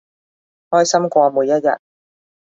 開心過每一日